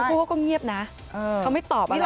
เขาพูดว่าก็เงียบนะเขาไม่ตอบอะไรเลยนะ